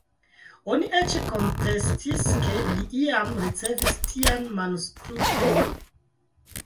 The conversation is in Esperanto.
Oni eĉ kontestis, ke li iam ricevis tian manuskripton.